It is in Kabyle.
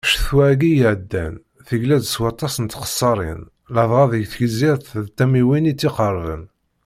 Ccetwa-agi iɛeddan, tegla-d s waṭas n txessaṛin ladɣa deg Tegzirt d tamiwin i tt-iqerben.